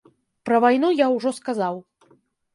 Пра вайну я ўжо сказаў.